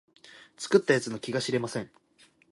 作った奴の気が知れません